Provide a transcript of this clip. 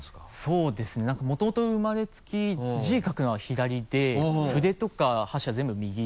そうですね何かもともと生まれつき字書くのは左で筆とか箸は全部右で。